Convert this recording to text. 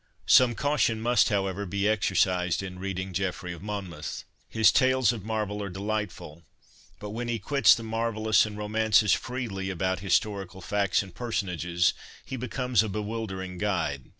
Some caution must, however, be exercised in reading Geoffrey of Monmouth. His tales of marvel are delightful ; but when he quits the marvellous and romances freely about historical facts and personages, he becomes a bewildering guide.